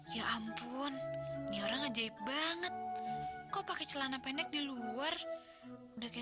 ya ampun ini orang ajaib banget kok pakai celana pendek di luar udah kayak